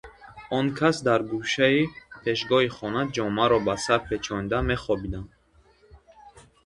Он кас дар гӯшаи пешгоҳи хона ҷомаро ба сар печонда мехобиданд.